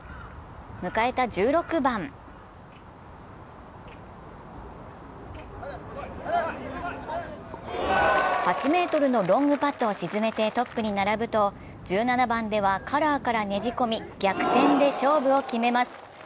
迎えた１６番８ｍのロングパットを沈めてトップに並ぶと１７番ではカラーからねじ込み、逆転で勝負を決めます。